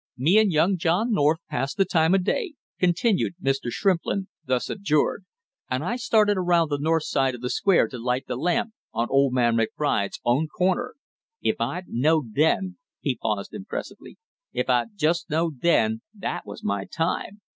"Me and young John North passed the time of day," continued Mr. Shrimplin, thus abjured, "and I started around the north side of the Square to light the lamp on old man McBride's own corner. If I'd knowed then " he paused impressively, "if I'd just knowed then, that was my time!